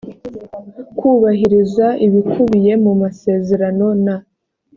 kubahiriza ibikubiye mu masezerano na